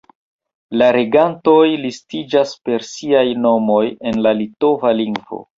La regantoj listiĝas per siaj nomoj en la litova lingvo.